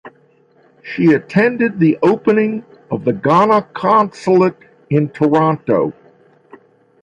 She attended the opening of the Ghana Consulate in Toronto.